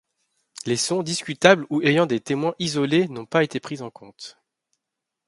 Les sons discutables ou ayant des témoins isolés n'ont pas été pris en compte.